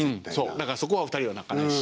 だからそこはお二人は泣かないし。